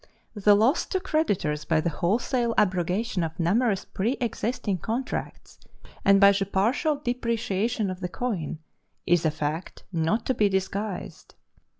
The loss to creditors by the wholesale abrogation of numerous preëxisting contracts, and by the partial depreciation of the coin, is a fact not to be disguised.